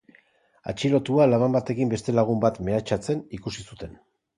Atxilotua laban batekin beste lagun bat mehatxatzen ikusi zuten.